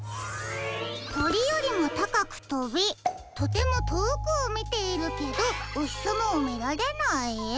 「とりよりもたかくとびとてもとおくをみているけどおひさまをみられない」？